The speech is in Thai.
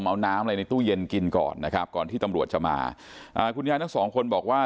เอาน้ำอะไรในตู้เย็นกินก่อนนะครับก่อนที่ตำรวจจะมาอ่าคุณยายทั้งสองคนบอกว่า